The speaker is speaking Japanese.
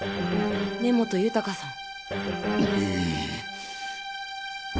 根本豊さん。